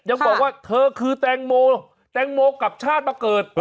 ยังบอกว่าเธอคือแตงโมแตงโมกลับชาติมาเกิด